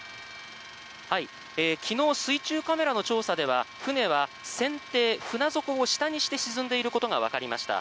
昨日水中カメラの調査では船は船底を下にして沈んでいることがわかりました。